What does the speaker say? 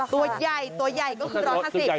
ตัวใหญ่ตัวใหญ่ก็คือ๑๕๐บาท